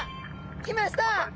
きました！